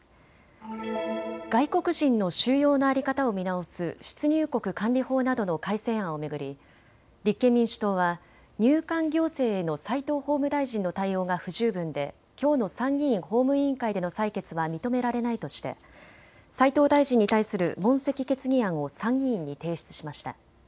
外国人の収容の在り方を見直す出入国管理法などの改正案を巡り立憲民主党は入管行政への齋藤法務大臣の対応が不十分できょうの参議院法務委員会での採決は認められないとして齋藤大臣に対する問責決議案を参議院に提出しました。